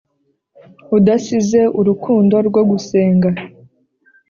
udasize urukundo rwo gusenga